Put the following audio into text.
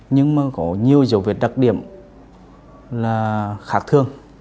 nhưng mà có nhiều dấu việc đặc điểm là khả thương